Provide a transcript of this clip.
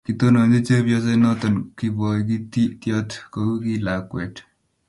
Kitononchi chepyoset noto kibokitiot kou kii lakweet